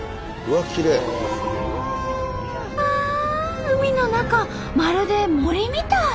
ああ海の中まるで森みたい！